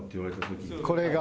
これが。